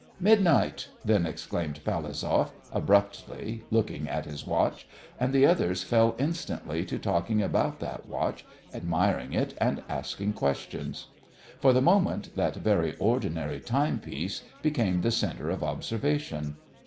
"Midnight!" then exclaimed Palazov, abruptly, looking at his watch; and the others fell instantly to talking about that watch, admiring it and asking questions. For the moment that very ordinary timepiece became the centre of observation.